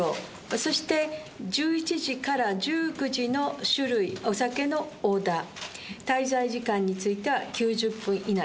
そして１１時から１９時の酒類、お酒のオーダー、滞在時間については９０分以内。